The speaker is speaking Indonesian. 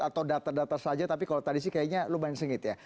atau data data saja tapi kalau tadi sih kayaknya lumayan sengit ya